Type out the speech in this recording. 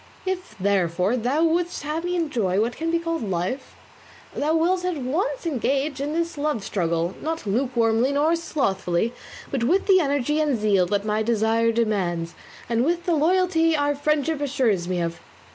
If, therefore, thou wouldst have me enjoy what can be called life, thou wilt at once engage in this love struggle, not lukewarmly nor slothfully, but with the energy and zeal that my desire demands, and with the loyalty our friendship assures me of."